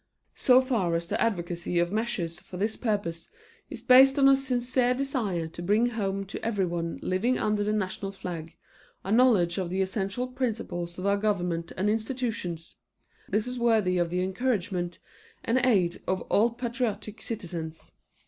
So far as the advocacy of measures for this purpose is based on a sincere desire to bring home to everyone living under the national flag a knowledge of the essential principles of our government and institutions, this is worthy of the encouragement and aid of all patriotic citizens.